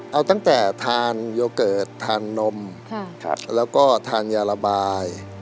เอาตั้งแต่ทานโยเกิร์ตทานนมแล้วก็ทานยาระบาย